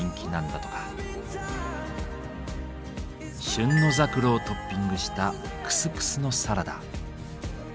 旬のザクロをトッピングしたクスクスのサラダ。